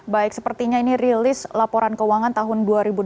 baik sepertinya ini rilis laporan keuangan tahun dua ribu dua puluh